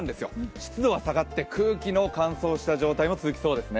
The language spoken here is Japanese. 湿度は下がって空気の乾燥した状態も続きそうですね。